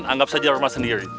anggap saja rumah sendiri